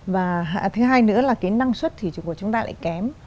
và thứ hai nữa là cái năng suất thì của chúng ta lại kém